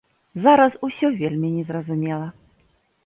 Зараз усё вельмі незразумела.